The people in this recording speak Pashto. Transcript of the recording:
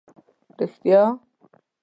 رښتیا.